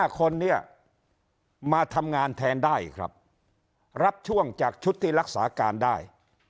๕คนเนี่ยมาทำงานแทนได้ครับรับช่วงจากชุดที่รักษาการได้